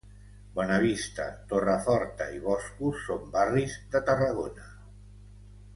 Bonavista, Torreforta i Boscos són barris de Tarragona.